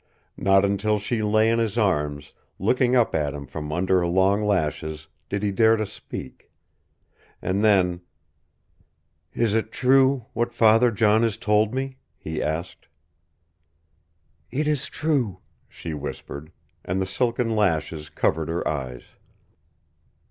Not until she lay in his arms, looking up at him from under her long lashes, did he dare to speak. And then, "Is it true what Father John has told me?" he asked. "It is true," she whispered, and the silken lashes covered her eyes.